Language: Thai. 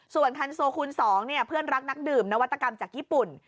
ส่วนคันโซคูณ๒เพื่อนรักนักดื่มนวัตกรรมจากญี่ปุ่น